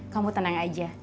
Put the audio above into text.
kamu tenang aja